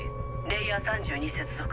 レイヤー３２接続。